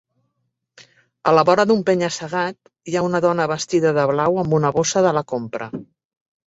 A la vora d'un penya-segat, hi ha una dona vestida de blau amb una bossa de la compra.